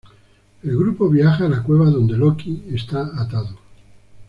El grupo viaja a la cueva donde Loki está atado.